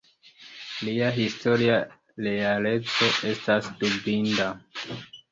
Lia historia realeco estas dubinda.